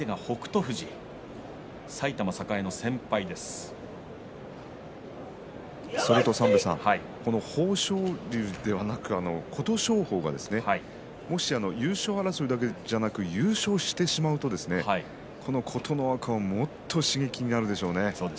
富士それと、三瓶さん琴勝峰がですね優勝争いだけじゃなく優勝してしまうと琴ノ若には、もっと刺激になるでしょうね。